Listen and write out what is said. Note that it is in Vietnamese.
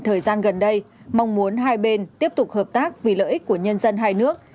thời gian gần đây mong muốn hai bên tiếp tục hợp tác vì lợi ích của nhân dân hai nước